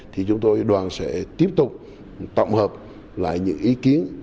thì chúng tôi đoàn sẽ tiếp tục tổng hợp lại những ý kiến